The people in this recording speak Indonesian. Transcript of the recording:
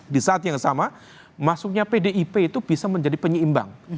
di saat yang sama masuknya pdip itu bisa menjadi penyeimbang